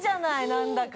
何だか。